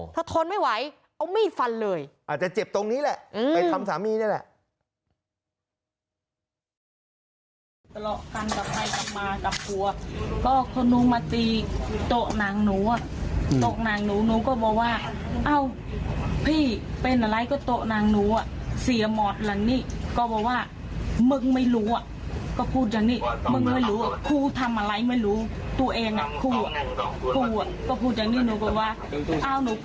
ถ้าทนไม่ไหวเอามีดฟันเลยอาจจะเจ็บตรงนี้แหละไปทำสามีนี่แหละ